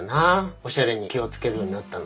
おしゃれに気を付けるようになったの。